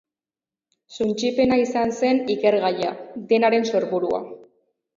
Suntsipena izan zen ikergaia, denaren sorburua.